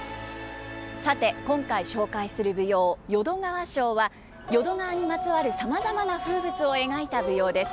さて今回紹介する舞踊「淀川抄」は淀川にまつわるさまざまな風物を描いた舞踊です。